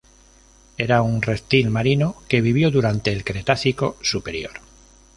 Era un reptil marino que vivió durante el Cretácico Superior.